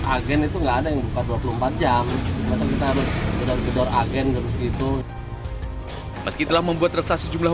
agen itu enggak ada yang dua puluh empat jam kita harus berbentuk agen itu meskipun membuat resah sejumlah